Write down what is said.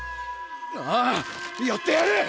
ああやってやる！